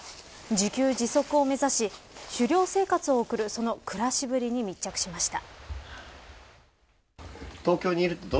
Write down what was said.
自給自足を目指し狩猟生活を送るその暮らしぶりに密着しました。